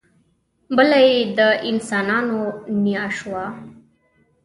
بله یې د انسانانو نیا شوه.